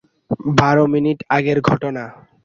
বারো মিনিট আগের ঘটনা।